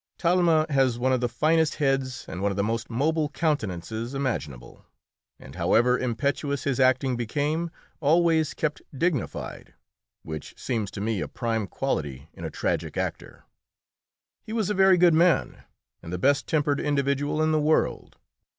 Talma had one of the finest heads and one of the most mobile countenances imaginable, and, however impetuous his acting became, always kept dignified, which seems to me a prime quality in a tragic actor. He was a very good man, and the best tempered individual in the world.